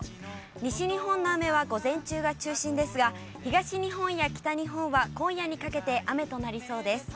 西日本の雨は午前中が中心ですが、東日本や北日本は今夜にかけて雨となりそうです。